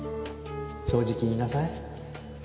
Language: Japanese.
正直に言いなさい。